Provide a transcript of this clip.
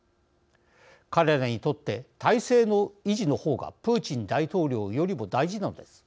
彼らにとって体制の維持の方がプーチン大統領よりも大事なのです。